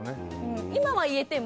今は言えても。